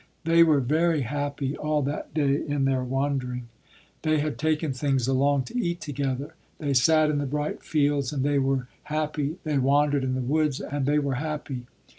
They were very happy all that day in their wandering. They had taken things along to eat together. They sat in the bright fields and they were happy, they wandered in the woods and they were happy.